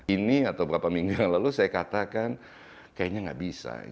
ini atau beberapa minggu yang lalu saya katakan kayaknya nggak bisa